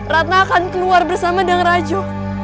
ratna akan keluar bersama dengan raju